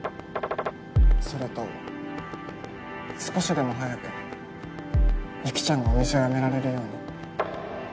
それと少しでも早く雪ちゃんがお店を辞められるように。